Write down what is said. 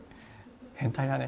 「変態だね」